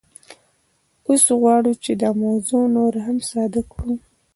اوس غواړو چې دا موضوع نوره هم ساده کړو